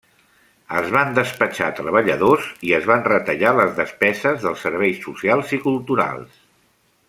Es van despatxar treballadors i es van retallar les despeses dels serveis socials i culturals.